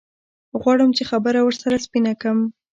غواړم چې خبره ورسره سپينه کم.